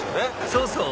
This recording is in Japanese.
そうそう！